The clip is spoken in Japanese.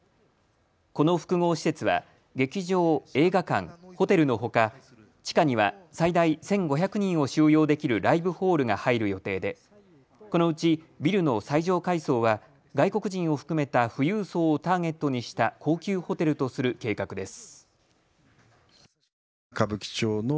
この複合施設は劇場、映画館、ホテルのほか地下には最大１５００人を収容できるライブホールが入る予定で、このうちビルの最上階層は外国人を含めた富裕層をターゲットにした高級ホテルとする計画です。